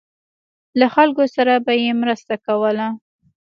له خلکو سره به یې مرسته کوله.